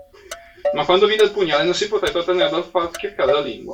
Ma quando vide il pugnale, non si poté trattenere dal far schioccare la lingua